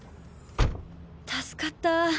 助かったぁ。